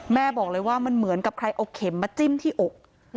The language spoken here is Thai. แม่บอกเลยว่ามันเหมือนกับใครเอาเข็มมาจิ้มที่อก